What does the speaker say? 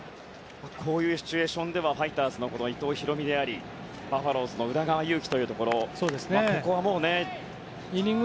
こういうシチュエーションではファイターズの伊藤大海でありバファローズの宇田川優希というところ。